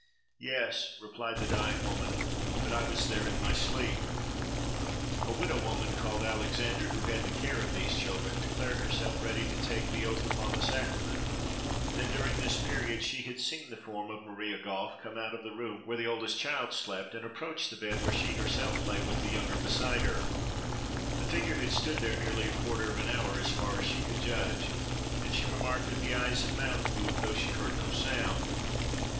"Yes," replied the dying woman, "but I was there in my sleep." A widow woman, called Alexander, who had the care of these children, declared herself ready to take oath upon the sacrament, that, during this period, she had seen the form of Maria Goffe come out of the room where the oldest child slept, and approach the bed where she herself lay with the younger beside her. The figure had stood there nearly a quarter of an hour, as far as she could judge; and she remarked that the eyes and the mouth moved, though she heard no sound.